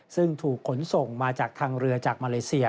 ซึ่งถูกขนส่งมาจากทางเรือจากมาเลเซีย